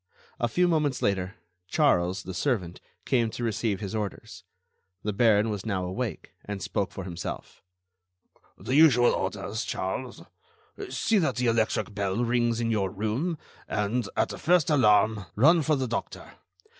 A few moments later, Charles, the servant, came to receive his orders. The Baron was now awake, and spoke for himself. "The usual orders, Charles: see that the electric bell rings in your room, and, at the first alarm, run for the doctor.